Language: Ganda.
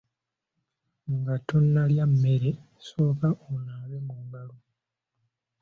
Nga tonnalya mmere sooka onaabe mu ngalo.